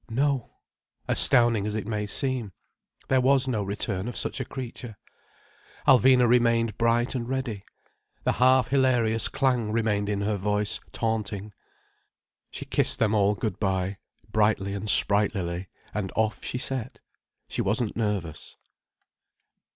No, astounding as it may seem, there was no return of such a creature. Alvina remained bright and ready, the half hilarious clang remained in her voice, taunting. She kissed them all good bye, brightly and sprightlily, and off she set. She wasn't nervous.